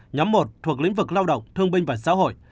nhóm một thuộc lĩnh vực lao động thương binh và xã hội